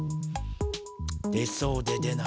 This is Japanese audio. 出そうで出ない。